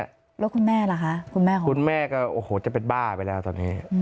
แล้วคุณแม่ล่ะคะคุณแม่ก็โอ้โหจะเป็นบ้าไปแล้วตอนนี้